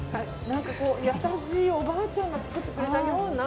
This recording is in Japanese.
優しいおばあちゃんが作ってくれたような。